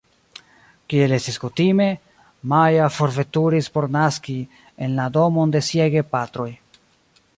Kiel estis kutime, Maja forveturis por naski en la domon de siaj gepatroj.